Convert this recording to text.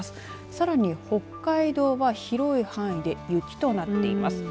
さらに北海道は広い範囲で雪となっています。